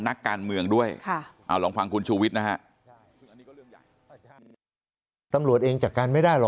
นักการเมืองด้วยเอาลองฟังคุณชุวิตนะฮะ